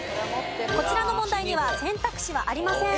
こちらの問題には選択肢はありません。